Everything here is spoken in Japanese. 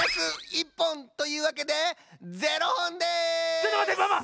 ちょっとまってママ！